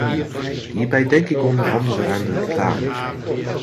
Hierbij denk ik onder andere aan de reclame.